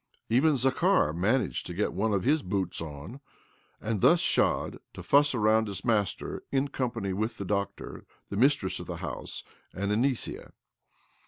Even Zakhar managed to get one of his boots on, and, thus shod, to fuss around his master in com pany with the doctor, the mistress of the house, and Anisia.